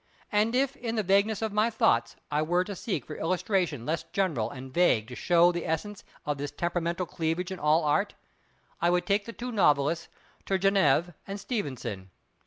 And if in the vagueness of my thoughts I were to seek for illustration less general and vague to show the essence of this temperamental cleavage in all Art, I would take the two novelists Turgenev and Stevenson.